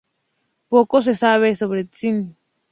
Poco se sabe sobre St.